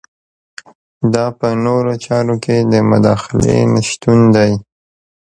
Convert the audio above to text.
دا په نورو چارو کې د مداخلې نشتون دی.